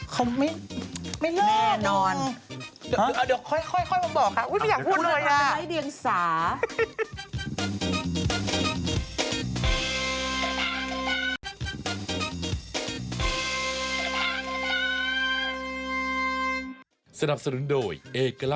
เค้าไม่เลิกแน่นอนเดี๋ยวค่อยบอกค่ะอุ๊ยไม่อยากพูดเลยล่ะ